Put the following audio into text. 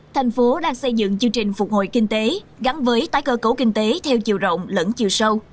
thành phố đang xây dựng chương trình phục hồi kinh tế gắn với tái cơ cấu kinh tế theo chiều rộng lẫn chiều sâu